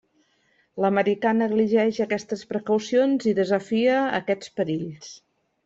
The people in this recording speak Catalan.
L'americà negligeix aquestes precaucions i desafia aquests perills.